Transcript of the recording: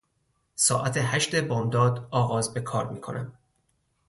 ساعت هشت بامداد آغاز به کار میکنم.